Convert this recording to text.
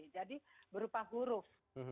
jadi berupa huruf